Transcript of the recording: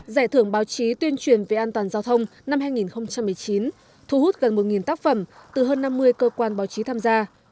giải thưởng báo chí tuyên truyền về an toàn giao thông năm hai nghìn một mươi chín thu hút gần một tác phẩm từ hơn năm mươi cơ quan báo chí tham gia